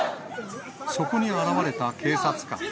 そこに現れた警察官。